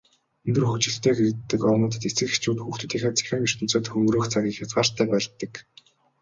Өндөр хөгжилтэй гэгддэг орнуудад эцэг эхчүүд хүүхдүүдийнхээ цахим ертөнцөд өнгөрөөх цагийг хязгаартай байлгадаг.